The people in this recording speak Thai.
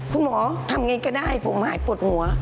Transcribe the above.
คุณหมอทำไงก็ได้ผมหายปวดหัว